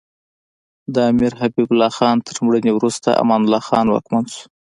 د امیر حبیب الله خان تر مړینې وروسته امان الله خان واکمن شو.